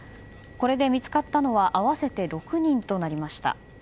これで見つかったのは合わせて６人となりました。